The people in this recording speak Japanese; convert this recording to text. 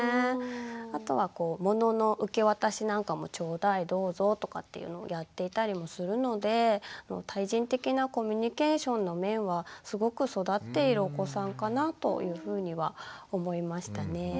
あとは物の受け渡しなんかも「ちょうだい」「どうぞ」とかっていうのをやっていたりもするので対人的なコミュニケーションの面はすごく育っているお子さんかなというふうには思いましたね。